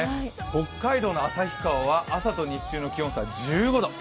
北海道の旭川は朝と日中の気温差が１５度。